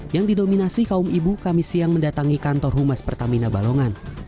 yang didominasi kaum ibu kami siang mendatangi kantor humas pertamina balongan